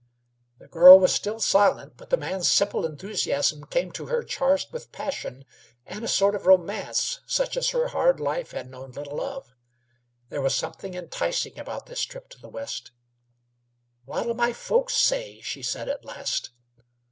The girl was still silent, but the man's simple enthusiasm came to her charged with passion and a sort of romance such as her hard life had known little of. There was something enticing about this trip to the West. "What'll my folks say?" she said at last.